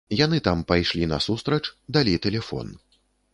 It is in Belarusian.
Яны там пайшлі насустрач, далі тэлефон.